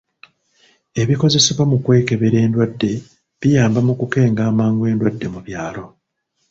Ebikozesebwa mu kwekebera enddwadde biyamba mu kukenga amangu enddwadde mu byalo.